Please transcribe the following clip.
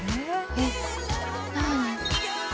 えっ何？